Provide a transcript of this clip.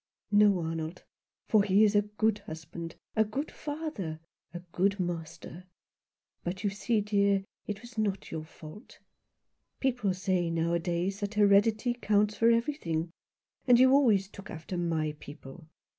" No, Arnold, for he is a good husband, a good father, a good master. But you see, dear, it was not your fault. People say nowadays that heredity accounts for everything ; and you always took after my people.